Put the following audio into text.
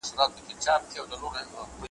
له یوه میدانه وزو بل میدان ته ور ګډیږو `